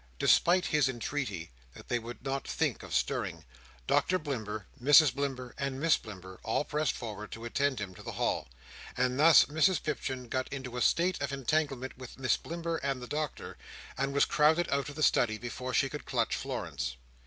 Despite his entreaty that they would not think of stirring, Doctor Blimber, Mrs Blimber, and Miss Blimber all pressed forward to attend him to the hall; and thus Mrs Pipchin got into a state of entanglement with Miss Blimber and the Doctor, and was crowded out of the study before she could clutch Florence.